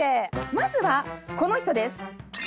まずはこの人です。